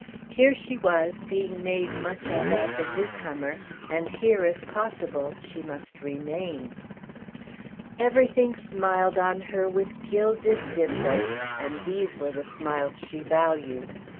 Here she was, being made much of as a new comer, and here if possible she must remain. Everything smiled on her with gilded dimples, and these were the smiles she valued.